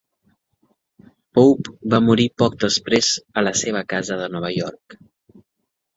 Pope va morir poc després a la seva casa de Nova York.